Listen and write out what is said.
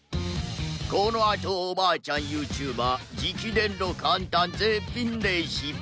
このあとおばあちゃん ＹｏｕＴｕｂｅｒ 直伝の簡単絶品レシピ